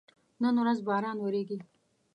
نن ورځ باران وریږي